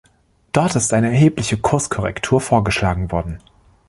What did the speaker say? Dort ist eine erhebliche Kurskorrektur vorgeschlagen worden.